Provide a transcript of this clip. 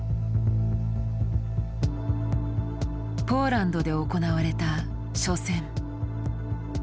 ポーランドで行われた初戦。